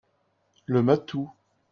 Le matou.